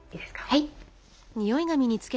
はい。